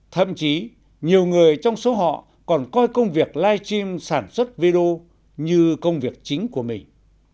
thậm chí nhiều người trong số họ còn coi công việc live stream sản xuất video như công việc chính của mình